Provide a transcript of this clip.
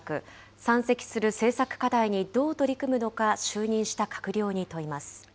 山積する政策課題にどう取り組むのか、就任した閣僚に問います。